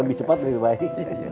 lebih cepat lebih baik